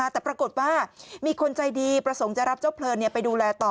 แต่ปรากฏว่ามีคนใจดีประสงค์จะรับเจ้าเพลินไปดูแลต่อ